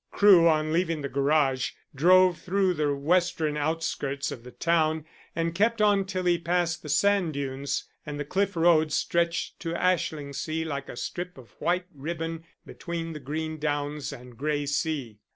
Crewe, on leaving the garage, drove through the western outskirts of the town, and kept on till he passed the sand dunes, and the cliff road stretched to Ashlingsea like a strip of white ribbon between the green downs and grey sea.